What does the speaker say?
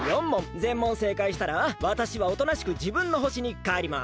ぜん問せいかいしたらわたしはおとなしくじぶんの星にかえります。